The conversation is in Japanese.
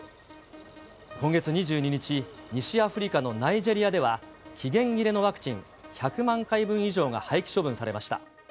今月２２日、西アフリカのナイジェリアでは、期限切れのワクチン１００万回分以上が廃棄処分されました。